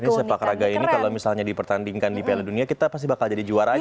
sepak raga ini kalau misalnya dipertandingkan di piala dunia kita pasti bakal jadi juaranya